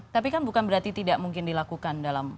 tapi kan bukan berarti tidak mungkin dilakukan dalam